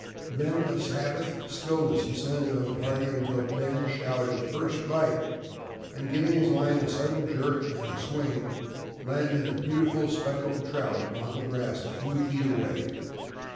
Then a Sabbath stillness descended on the party, until Ben shouted, "first bite," and giving his line a sudden jerk and swing, landed a beautiful speckled trout upon the grass a few feet away.